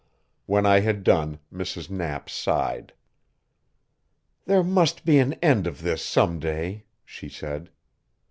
When I had done Mrs. Knapp sighed. "There must be an end of this some day," she said.